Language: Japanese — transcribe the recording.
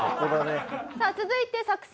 さあ続いて作戦